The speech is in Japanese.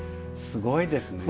すごいですね。